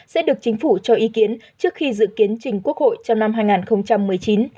sẽ được chính phủ cho ý kiến trước khi dự kiến trình quốc hội trong năm hai nghìn một mươi chín